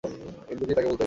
ইন্দু জি, তাকে বলতে দিন।